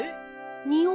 におい？